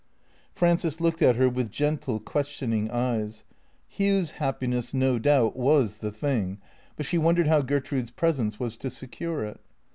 Frances looked at her with gentle, questioning eyes. Hugh's happiness, no doubt, was the thing; but she wondered how Ger trude's presence was to secure it.